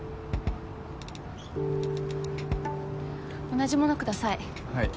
同じもの下さい。